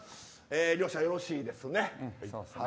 両者よろしいですね。